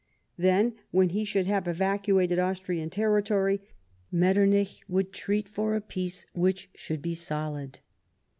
Then, when he should have evacuated Austrian territory, Metternich would treat for a peace which should be solid.